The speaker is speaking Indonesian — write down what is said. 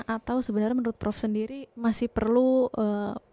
atau sebenarnya menurut prof sendiri masih perlu